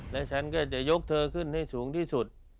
และฉันก็จะยกเธอขึ้นให้สูงที่สุด